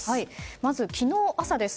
まず昨日朝です。